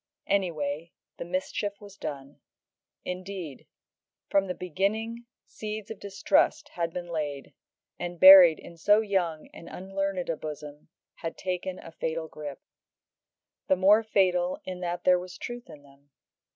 Anyway, the mischief was done. Indeed, from the beginning seeds of distrust had been laid, and, buried in so young and unlearned a bosom, had taken a fatal grip. The more fatal in that there was truth in them.